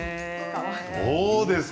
どうですか？